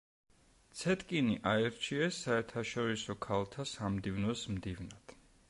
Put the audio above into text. ცეტკინი აირჩიეს საერთაშორისო ქალთა სამდივნოს მდივნად.